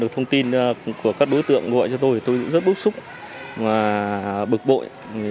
thông tin của các đối tượng gọi cho tôi tôi rất bức xúc và bực bội